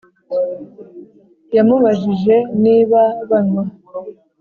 yamubajije niba banywa